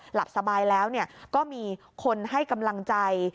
หลับสบายแล้วก็มีคนให้กำลังใจ